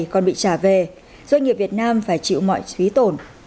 còn bị trả về doanh nghiệp việt nam phải chịu mọi suy tổn